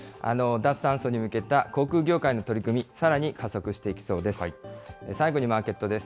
脱炭素に向けた航空業界の取り組み、さらに加速していきそうです。